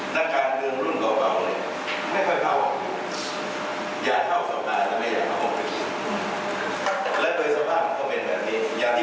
ไฟพลังก็จะไม่ยกมือไม่ตรงปะได้